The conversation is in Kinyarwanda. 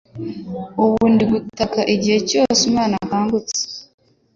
ubu ni ugutaka igihe cyose umwana akangutse